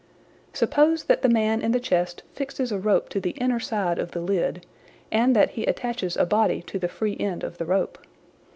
Suppose that the man in the chest fixes a rope to the inner side of the lid, and that he attaches a body to the free end of the rope.